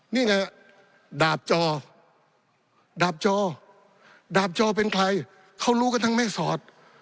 นี่ไงดาบจอดดาบจอดับจอเป็นใครเขารู้กันทั้งแม่สอด